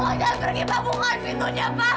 tolong jangan pergi pak buka pintunya pak